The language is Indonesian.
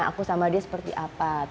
aku sama dia seperti apa